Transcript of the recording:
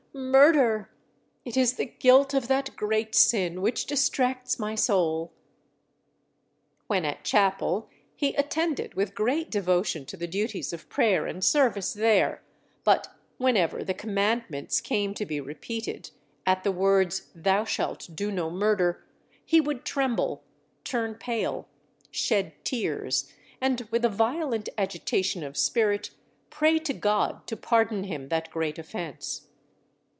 Murder! it is the guilt of that great sin which distracts my soul._ When at chapel he attended with great devotion to the duties of prayer and service there; but whenever the Commandments came to be repeated, at the words, Thou shalt do no murder, he would tremble, turn pale, shed tears, and with a violent agitation of spirit pray to God to pardon him that great offence.